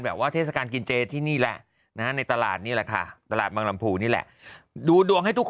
เอ้ามจีนมาแมะ